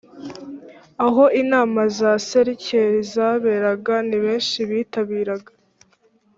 aho inama za serikeri zaberaga ni benshi bitabiraga